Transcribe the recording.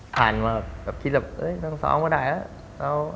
ผ่านมาคิดว่าต้องซ้อมก็ได้แล้ว